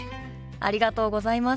ありがとうございます。